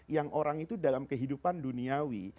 yang orang itu dalam kehidupan duniawi